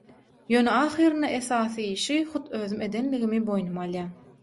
Ýöne ahyrynda esasy işi hut özüm edenligimi boýnuma alýan.